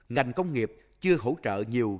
ngành công nghiệp chưa hỗ trợ nhiều